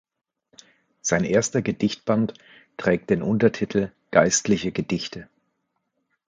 Sein erster Gedichtband trägt den Untertitel Geistliche Gedichte.